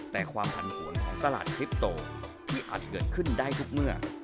แต่ความผันผวนของตลาดคลิปโตที่อาจเกิดขึ้นได้ทุกเมื่อ